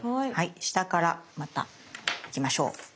下からまた行きましょう。